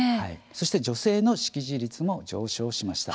女性の識字率も上昇しました。